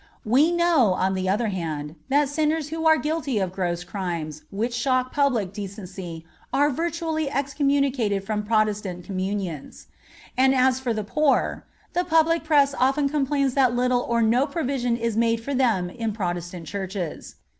We know, on the other hand, that sinners who are guilty of gross crimes which shock public decency are virtually excommunicated from Protestant Communions. And as for the poor, the public press often complains that little or no provision is made for them in Protestant Churches.